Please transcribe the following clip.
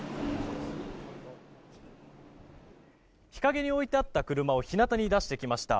日陰においてあった車を日なたに出してきました。